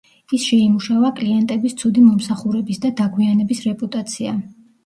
ის შეიმუშავა კლიენტების ცუდი მომსახურების და დაგვიანების რეპუტაცია.